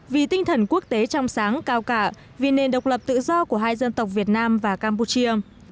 vì tinh thần quốc tế trong sáng cao cả vì nền độc lập tự do của hai dân tộc việt nam và campuchia